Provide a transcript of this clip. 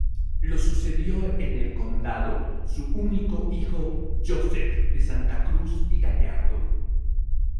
Lo sucedió en el condado, su único hijo Joseph de Santa Cruz y Gallardo.